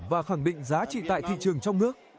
và khẳng định giá trị tại thị trường trong nước